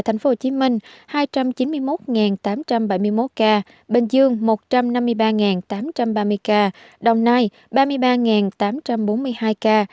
tp hcm hai trăm chín mươi một tám trăm bảy mươi một ca bình dương một trăm năm mươi ba tám trăm ba mươi ca đồng nai ba mươi ba tám trăm bốn mươi hai ca